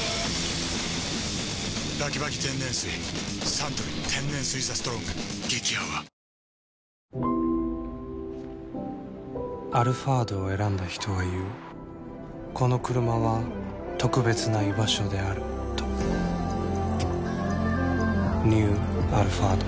サントリー天然水「ＴＨＥＳＴＲＯＮＧ」激泡「アルファード」を選んだ人は言うこのクルマは特別な居場所であるとニュー「アルファード」